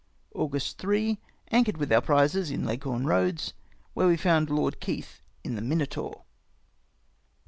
'' August 3. — Anchored with our prizes in Leghorn Eoads, where we found Lord Keith in the Minotaur.'"